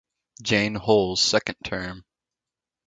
Jane Hull's second term.